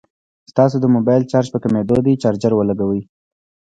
ستاسو د موبايل چارج په کميدو دی ، چارجر ولګوئ